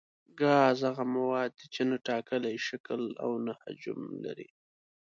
ګاز هغه مواد دي چې نه ټاکلی شکل او نه حجم لري.